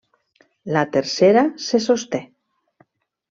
La Tercera se sosté.